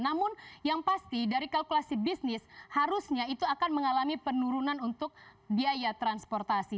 namun yang pasti dari kalkulasi bisnis harusnya itu akan mengalami penurunan untuk biaya transportasi